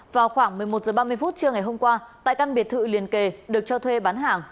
vào khoảng một mươi một h ba mươi phút trưa ngày hôm qua tại căn biệt thự liền kề được cho thuê bán hàng